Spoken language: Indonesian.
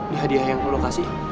ini hadiah yang lo kasih